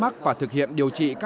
có thể gây bệnh siêu mini